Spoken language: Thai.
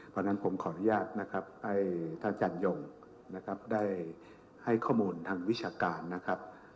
เพราะฉะนั้นผมขออนุญาตนะครับให้ท่านอาจารยงนะครับได้ให้ข้อมูลทางวิชาการนะครับ